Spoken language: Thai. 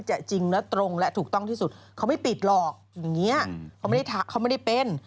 จริงและตรงและถูกต้องที่สุดเขาไม่ปิดหรอกอย่างนี้เขาไม่ได้เขาไม่ได้เป็น